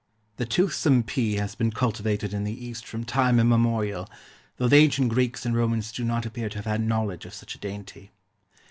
The toothsome PEA has been cultivated in the East from time immemorial, though the ancient Greeks and Romans do not appear to have had knowledge of such a dainty.